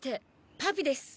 パピです。